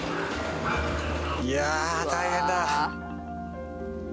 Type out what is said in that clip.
いやあ大変だ。